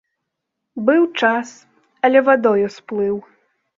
Быў час, але вадою сплыў.